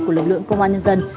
của lực lượng công an nhân dân